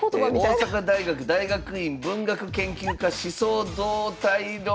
大阪大学大学院文学研究科思想動態論